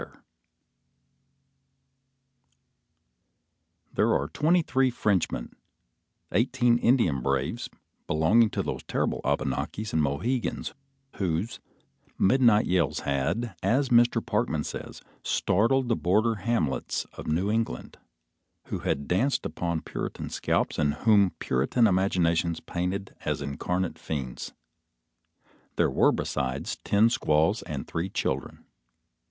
There are twenty three Frenchmen, eighteen Indian braves, belonging to those terrible Abenakis and Mohegans whose "midnight yells had," as Mr. Parkman says, "startled the border hamlets of New England; who had danced around Puritan scalps, and whom Puritan imaginations painted as incarnate fiends." There were besides, ten squaws and three children.